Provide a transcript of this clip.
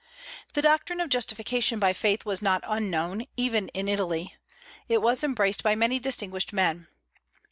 The doctrine of justification by faith was not unknown, even in Italy. It was embraced by many distinguished men.